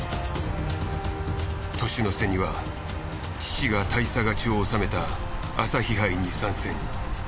年の瀬には父が大差勝ちを収めた朝日杯に参戦。